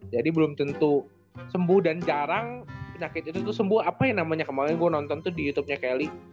jadi belum tentu sembuh dan jarang penyakit itu tuh sembuh apa yang namanya kemaren gue nonton tuh di youtubenya kelly